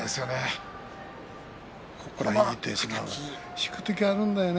引く時があるんだよね